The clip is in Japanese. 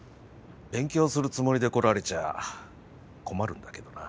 勉強するつもりで来られちゃ困るんだけどな。